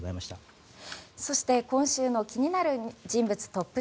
そして今週の気になる人物トップ１０。